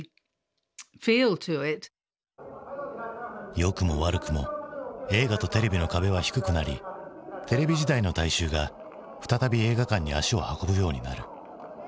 良くも悪くも映画とテレビの壁は低くなりテレビ時代の大衆が再び映画館に足を運ぶようになる。